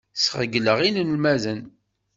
Sɣeyleɣ inelmaden.